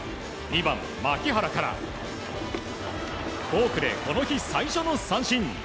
２番、牧原からフォークで、この日最初の三振。